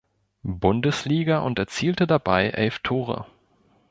Bundesliga und erzielte dabei elf Tore.